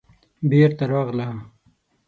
بېرته راغله.